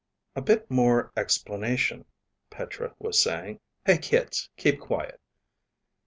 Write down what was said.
"A bit more explanation," Petra was saying. "Hey, kids, keep quiet."